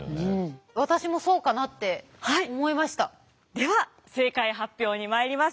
では正解発表にまいります。